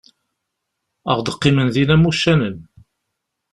Ad ɣ-d-qqimen din am uccanen.